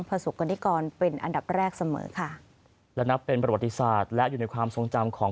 ประสบกรณิกรเป็นอันดับแรกเสมอค่ะและนับเป็นประวัติศาสตร์และอยู่ในความทรงจำของ